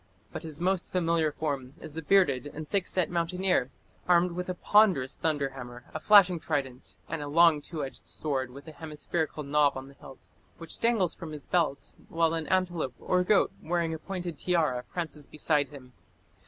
But his most familiar form is the bearded and thick set mountaineer, armed with a ponderous thunder hammer, a flashing trident, and a long two edged sword with a hemispherical knob on the hilt, which dangles from his belt, while an antelope or goat wearing a pointed tiara prances beside him.